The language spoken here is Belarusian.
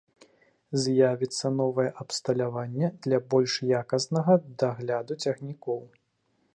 З'явіцца новае абсталяванне для больш якаснага дагляду цягнікоў.